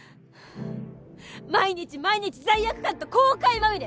毎日毎日罪悪感と後悔まみれ！